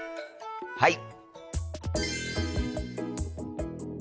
はい！